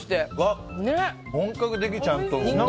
本格的、ちゃんと。